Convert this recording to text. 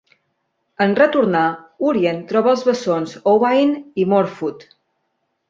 En retornar, Urien troba els bessons Owain i Morfudd.